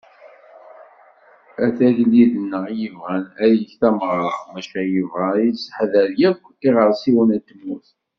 A d agellid-nneγ i yebγan ad yeg tameγra, maca yebγa ad yesseḥdeṛ yakk iγersiwen n tmurt.